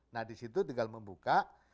nah di situ tinggal membuka